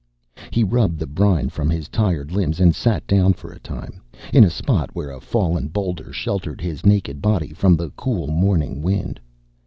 He rubbed the brine from his tired limbs, and sat down for a time, in a spot where a fallen boulder sheltered his naked body from the cool morning wind.